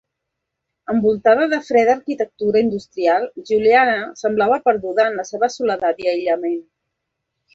Envoltada de freda arquitectura industrial, Giuliana sembla perduda en la seva soledat i aïllament.